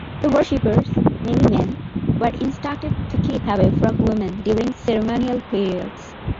The worshippers (mainly men) were instructed to keep away from women during ceremonial periods.